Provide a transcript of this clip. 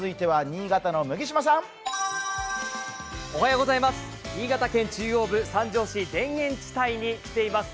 新潟県中央部三条市田園地帯に来ています。